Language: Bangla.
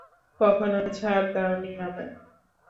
কখনো ছাড় দাওনি আমায়!